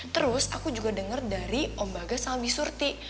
terus aku juga denger dari om bagas sama bisurti